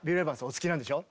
お好きなんでしょ？